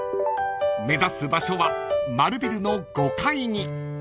［目指す場所は丸ビルの５階に］